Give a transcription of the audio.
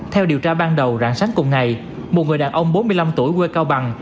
theo điều tra ban đầu rạng sáng cùng ngày một người đàn ông bốn mươi năm tuổi quê cao bằng